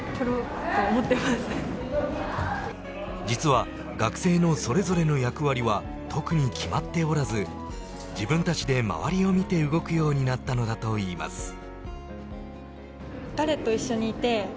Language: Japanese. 実は学生のそれぞれの役割は特に決まっておらず自分たちで周りを見て動くようになったのだといいます。